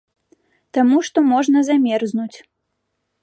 Таму што можна замерзнуць.